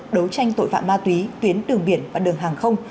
đấu tranh tội phạm ma túy tuyến đường biển và đường hàng không